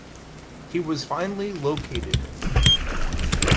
He was finally located.